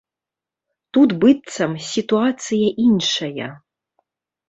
Тут, быццам, сітуацыя іншая.